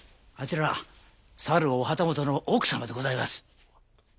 あちらはさるお旗本の奥様でございます。